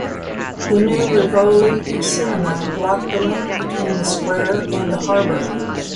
The new Rivoli cinema blocked the link between the square and the harbor.